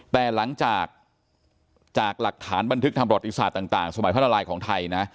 แต่หลังจากจากหลักฐานบันทึกทำประวัติศาสตร์ต่างสมัยพระนารายของไทยนะ